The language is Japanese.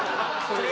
それ」